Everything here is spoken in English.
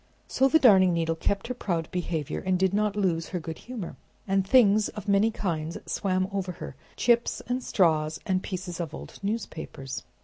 So the Darning Needle kept her proud behavior, and did not lose her good humor. And things of many kinds swam over her, chips and straws and pieces of old newspapers.